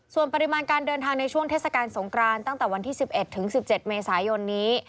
ส่วนปริมาณการเดินทางในช่วงเทศกาลสงกรานตั้งแต่วันที่๑๑ถึง๑๗เมษายนนี้